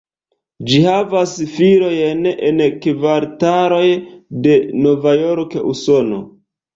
Ĝi havas filiojn en kvartaloj de Novjorko, Usono.